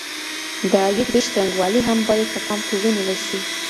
د عاید وېش څرنګوالی هم باید په پام کي ونیول سي.